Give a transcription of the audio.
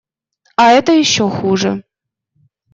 А это еще хуже.